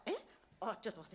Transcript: あっちょっと待って。